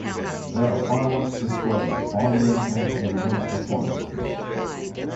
There are fireworks displayed, bon dancing and drum performances.